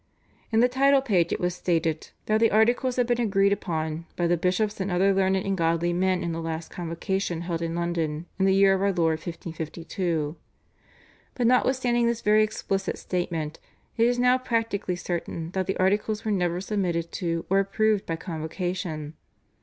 In the title page it was stated that the Articles had been agreed upon "by the bishops and other learned and godly men in the last Convocation held in London in the year of Our Lord 1552"; but notwithstanding this very explicit statement, it is now practically certain that the Articles were never submitted to or approved by Convocation.